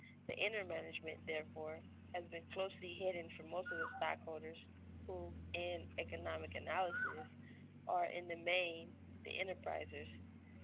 The inner management, therefore, has been closely hidden from most of the stockholders, who, in the economic analysis, are in the main the enterprisers.